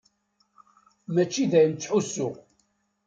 Mačči d ayen ttḥussuɣ.